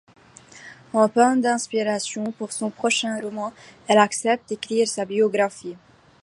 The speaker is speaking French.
En panne d'inspiration pour son prochain roman, elle accepte d'écrire sa biographie.